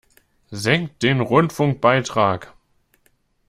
Senkt den Rundfunkbeitrag!